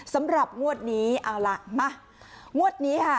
สำหรับงวดนี้เอาล่ะมางวดนี้ค่ะ